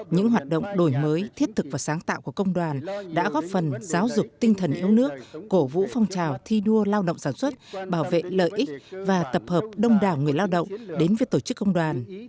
những hoạt động đổi mới thiết thực và sáng tạo của công đoàn đã góp phần giáo dục tinh thần yêu nước cổ vũ phong trào thi đua lao động sản xuất bảo vệ lợi ích và tập hợp đông đảo người lao động đến với tổ chức công đoàn